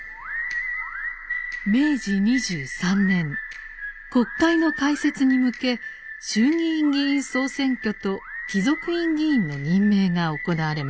明治二十三年国会の開設に向け衆議院議員総選挙と貴族院議員の任命が行われました。